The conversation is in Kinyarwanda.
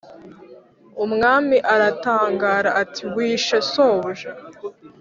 umwami aratangara ati"wishe sobuja?"